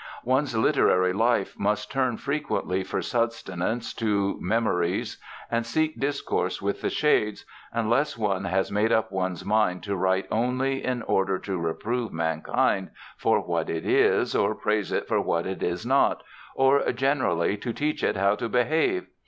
One's literary life must turn frequently for sustenance to memories and seek discourse with the shades, unless one has made up one's mind to write only in order to reprove mankind for what it is, or praise it for what it is not, or generally to teach it how to behave.